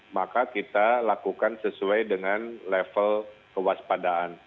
maka kita lakukan sesuai dengan level kewaspadaan